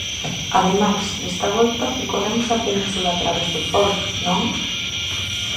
Ademais, desta volta percorremos a península a través do folk, non?